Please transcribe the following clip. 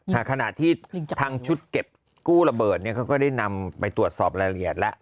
ขณะที่ทางชุดเก็บกู้ระเบิดเนี่ยเขาก็ได้นำไปตรวจสอบรายละเอียดแล้ว